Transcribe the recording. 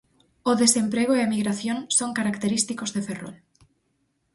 O desemprego e a emigración son característicos de Ferrol.